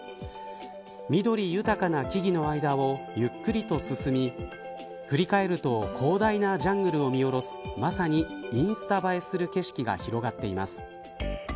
緑豊かな木々の間をゆっくりと進み振り返ると広大なジャングルを見下ろすまさにインスタ映えする景色が広がっています。